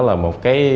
là một cái